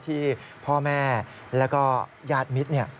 ที่พ่อแม่แล้วก็ญาติมิตร